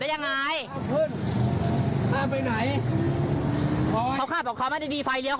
แค่บอกเขาไม่ตึดไฟเลี้ยวเขาก็ตอด